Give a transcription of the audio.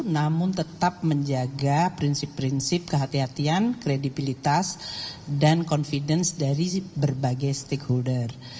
namun tetap menjaga prinsip prinsip kehatian kredibilitas dan confidence dari berbagai stakeholder